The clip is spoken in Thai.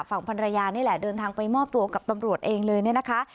ฝั่งภรรยานี่แหละเดินทางไปมอบตัวกับตำรวจเองเลยเนี่ยนะคะ